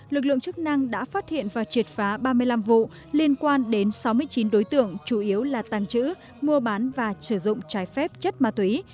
lực lượng chức năng đã phát hiện và triệt phá ba mươi năm vụ liên quan đến sáu mươi chín đối tượng chủ yếu là tàng trữ mua bán và sử dụng trái phép chất ma túy